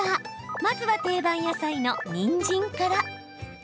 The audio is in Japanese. まずは定番野菜のにんじんから。